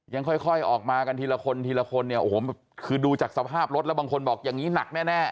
ยังค่อยออกมากันทีละคนคือดูจากสภาพรถแล้วบางคนบอกอย่างนี้หนักแน่